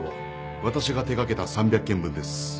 私が手掛けた３００件分です。